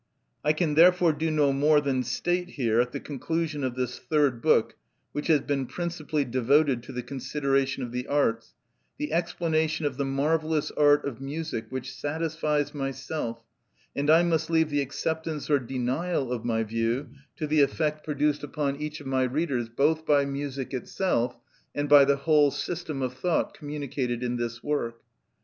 I can therefore do no more than state here, at the conclusion of this third book, which has been principally devoted to the consideration of the arts, the explanation of the marvellous art of music which satisfies myself, and I must leave the acceptance or denial of my view to the effect produced upon each of my readers both by music itself and by the whole system of thought communicated in this work.